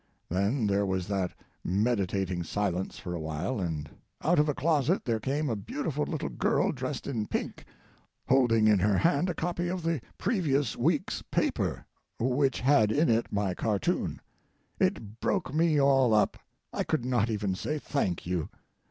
Then there was that meditating silence for a while, and out of a closet there came a beautiful little girl dressed in pink, holding in her hand a copy of the previous week's paper, which had in it my cartoon. It broke me all up. I could not even say "Thank you."